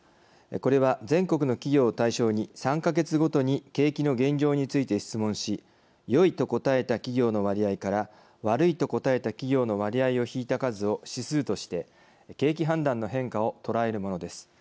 これは全国の企業を対象に３か月ごとに景気の現状について質問し良いと答えた企業の割合から悪いと答えた企業の割合を引いた数を指数として景気判断の変化を捉えるものです。